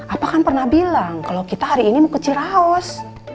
apa kan pernah bilang kalau kita hari ini mau ke ciraos